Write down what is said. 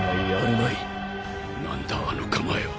バラン：なんだあの構えは。